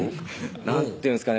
何て言うんですかね